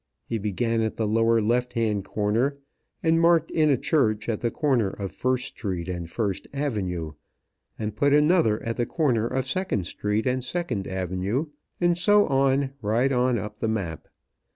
He began at the lower left hand corner, and marked in a church at the corner of First Street and First Avenue, and put another at the corner of Second Street and Second Avenue, and so on right up on the map.